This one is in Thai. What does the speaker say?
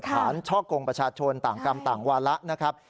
ช่อกงประชาชนต่างกรรมต่างวาระนะครับ